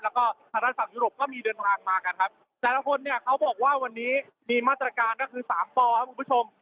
แล้วก็ไทยรัฐฝั่งยุโรปก็มีเดินทางมากันครับแต่ละคนเนี่ยเขาบอกว่าวันนี้มีมาตรการก็คือสามปครับคุณผู้ชม